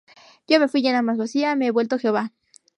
Yo me fuí llena, mas vacía me ha vuelto Jehová.